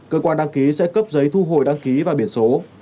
cơ quan đăng ký sẽ cấp giấy thu hồi đăng ký và biển số